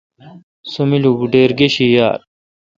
سو می لوکوٹییر گش یار۔